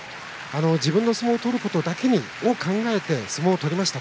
自分の相撲を取ることだけを考えて相撲を取りました。